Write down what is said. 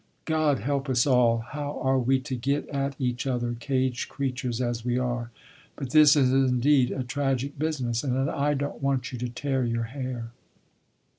God help us all, how are we to get at each other, caged creatures as we are! But this is indeed a tragic business, and I don't want you to tear your hair.